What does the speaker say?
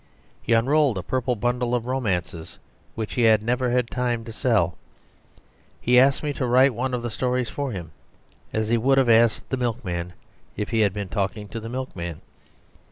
He unrolled a purple bundle of romances which he had never had time to sell. He asked me to write one of the stories for him, as he would have asked the milkman, if he had been talking to the milkman.